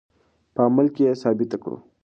په عمل کې یې ثابته کړو.